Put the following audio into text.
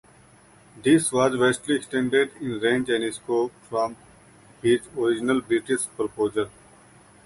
This was vastly extended in range and scope from his original British proposals.